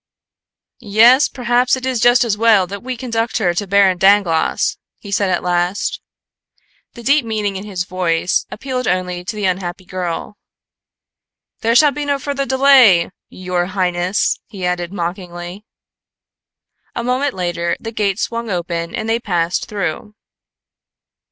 "Yes, perhaps it is just as well that we conduct her to Baron Dangloss," he said at last. The deep meaning in his voice appealed only to the unhappy girl. "There shall be no further delay, your highness!" he added mockingly. A moment later the gates swung open and they passed through.